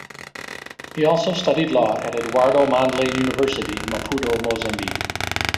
He also studied law at Eduardo Mondlane University, Maputo, Mozambique.